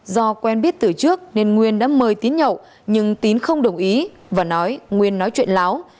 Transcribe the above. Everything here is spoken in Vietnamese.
do quen biết từ trước nên nguyên đã mời tín nhậu nhưng tín không đồng ý và nói nguyên nói chuyện láo